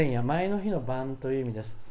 前の日の晩という意味です。